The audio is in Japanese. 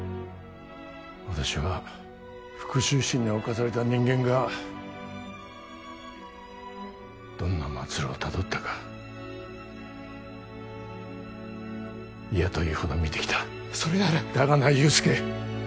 私は復讐心に侵された人間がどんな末路をたどったか嫌というほど見てきたそれならだがな憂助